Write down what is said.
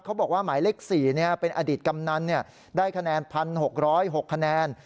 หมายเลข๔เป็นอดีตกำนันได้คะแนน๑๖๐๖คะแนน